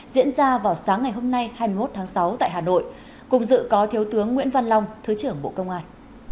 diễn ra vào sáng ngày hôm nay hai mươi một tháng sáu tại hà nội cùng dự có thiếu tướng nguyễn văn long thứ trưởng bộ công an